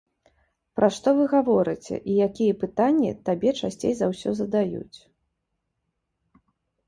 Пра што вы гаворыце, і якія пытанні табе часцей за ўсё задаюць?